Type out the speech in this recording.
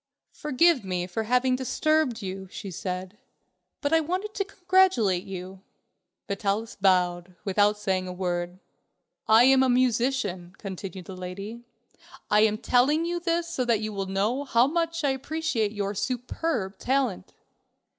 "Forgive me for having disturbed you," she said, "but I wanted to congratulate you." Vitalis bowed, without saying a word. "I am a musician," continued the lady; "I am telling you this so that you will know how much I appreciate your superb talent."